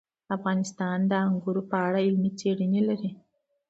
افغانستان د انګور په اړه علمي څېړنې لري.